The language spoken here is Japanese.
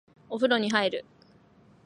お風呂に入る